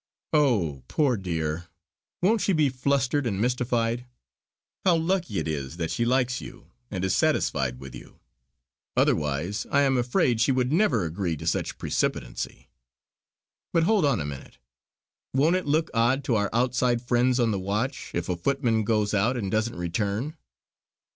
"Oh, poor dear won't she be flustered and mystified! How lucky it is that she likes you, and is satisfied with you; otherwise I am afraid she would never agree to such precipitancy. But hold on a minute! Won't it look odd to our outside friends on the watch if a footman goes out and doesn't return."